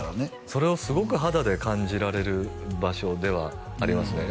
それをすごく肌で感じられる場所ではありますね